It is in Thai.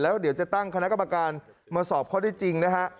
แล้วเดี๋ยวจะตั้งคณะกรรมการมาสอบข้อได้จริงนะฮะ